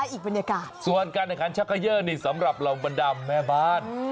อีกบรรยากาศส่วนการแข่งขันชักเกยอร์นี่สำหรับเหล่าบรรดาแม่บ้าน